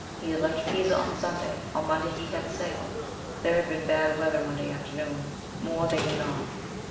He had left Pisa on Sunday ; on Monday he had sailed. There had been bad weather Monday afternoon ; more they knew not."